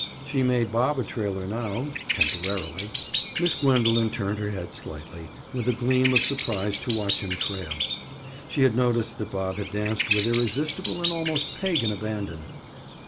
She made Bob a trailer now, temporarily. Miss Gwendoline turned her head slightly, with a gleam of surprise to watch him trail. She had noticed that Bob had danced with irresistible and almost pagan abandon.